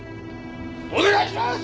お願いします。